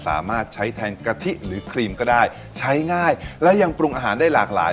สามารถใช้แทนกะทิหรือครีมก็ได้ใช้ง่ายและยังปรุงอาหารได้หลากหลาย